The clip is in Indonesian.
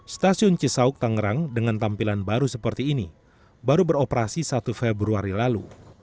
stasiun cisauk tangerang dengan tampilan baru seperti ini baru beroperasi satu februari lalu